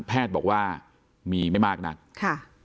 แพทย์บอกว่ามีไม่มากนักค่ะ